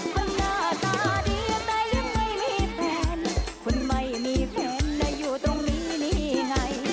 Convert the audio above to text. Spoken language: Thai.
คนหน้าตาดีแต่ยังไม่มีแฟนคนไม่มีแฟนนะอยู่ตรงนี้นี่ไง